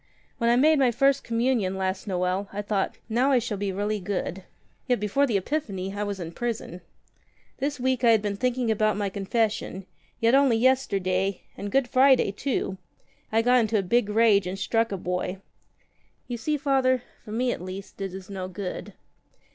"When I made my First Communion last Noel, I thought, 'now I shall be really good.' Yet before the Epiphany I was in prison. This week I had been thinking about my confession; yet only yesterday — and Good Friday too — I got into a big rage and struck a boy. You see. Father, for me at least it is no good."